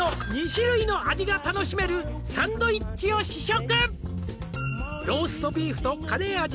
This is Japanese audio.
「２種類の味が楽しめる」「サンドイッチを試食」